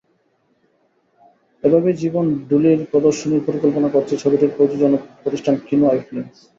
এভাবেই জীবন ঢুলীর প্রদর্শনীর পরিকল্পনা করছে ছবিটির প্রযোজনা প্রতিষ্ঠান কিনো-আই ফিল্মস।